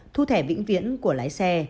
thu thẻ vĩnh viễn của lái xe